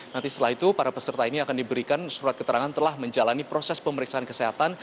nanti setelah itu para peserta ini akan diberikan surat keterangan telah menjalani proses pemeriksaan kesehatan